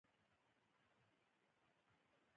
هر درمل د ډاکټر له مشورې وروسته باید وکارول شي.